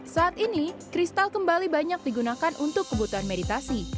saat ini kristal kembali banyak digunakan untuk kebutuhan meditasi